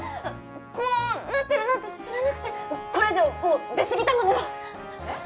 こうなってるなんて知らなくてこれ以上もう出すぎたマネはえっ？